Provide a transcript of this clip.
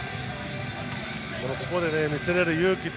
ここで見せれる勇気。